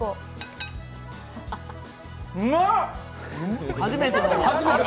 うまっ。